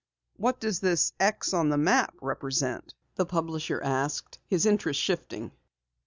"What does this X on the map represent?" the publisher asked, his interest shifting.